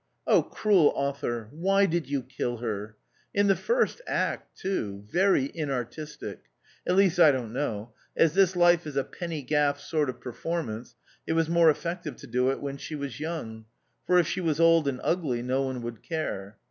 ! cruel Author, why did you kill her ?— in the first act, too ; very inartistic. At least I don't know. As this life is a penny gaff sort of performance, it was more effective to do it when she was young, for if she was old and ugly no one would care.